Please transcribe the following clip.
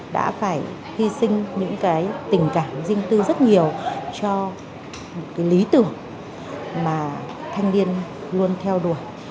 đã phải hy sinh những tình cảm riêng tư rất nhiều cho lý tự trọng mà thanh niên luôn theo đuổi